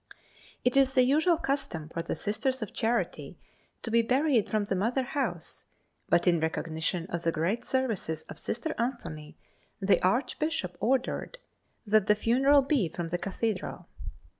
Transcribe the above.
It is the usual custom for the Sisters of Charity to be buried from the mother house, but in recognition of the great services of Sister Anthony the Archbishop ordered that the funeral be from the Cathedral.